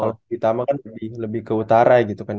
kalau ditambah kan lebih ke utara gitu kan